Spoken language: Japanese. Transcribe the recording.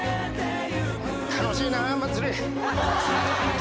楽しいな、祭り。